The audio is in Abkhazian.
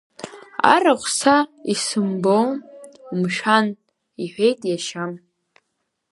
Арахә са исымбо, умшәан, — иҳәеит иашьа.